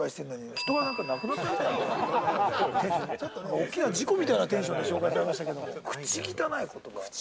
大きな事故みたいなテンションで紹介されましたけど。